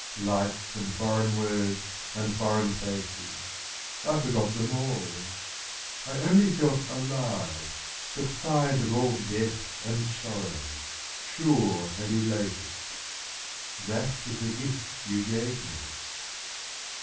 Lights and foreign words and foreign faces, I forgot them all; I only felt alive, defiant of all death and sorrow, Sure and elated. That was the gift you gave me.